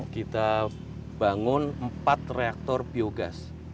kita bangun empat reaktor biogas